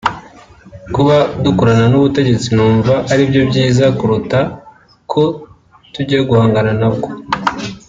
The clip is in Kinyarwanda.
Kuba dukorana n’ubutegetsi numva aribyo byiza kuruta ko tujya guhangana nabwo